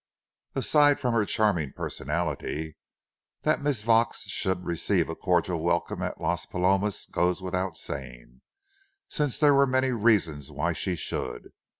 Aside from her charming personality, that Miss Vaux should receive a cordial welcome at Las Palomas goes without saying, since there were many reasons why she should.